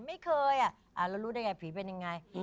ไม่เคยเรารู้ได้ไงผีเป็นยังไง